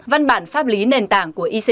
văn bản pháp lý nền tảng của israel